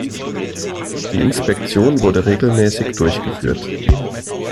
Die Inspektion wurde regelmäßig durchgeführt.